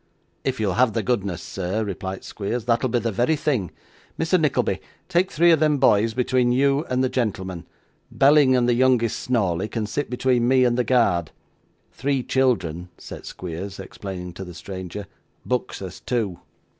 'If you'll have the goodness, sir,' replied Squeers, 'that'll be the very thing. Mr. Nickleby, take three of them boys between you and the gentleman. Belling and the youngest Snawley can sit between me and the guard. Three children,' said Squeers, explaining to the stranger, 'books as two.